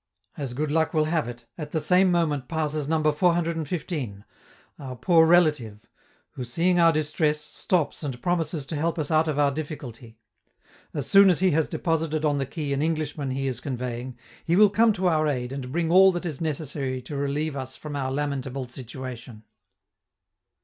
As good luck will have it, at the same moment passes Number 415, our poor relative, who, seeing our distress, stops and promises to help us out of our difficulty; as soon as he has deposited on the quay an Englishman he is conveying, he will come to our aid and bring all that is necessary to relieve us from our lamentable situation.